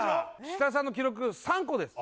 設楽さんの記録３個です